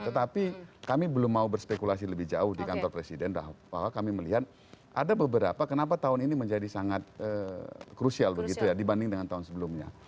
tetapi kami belum mau berspekulasi lebih jauh di kantor presiden bahwa kami melihat ada beberapa kenapa tahun ini menjadi sangat krusial begitu ya dibanding dengan tahun sebelumnya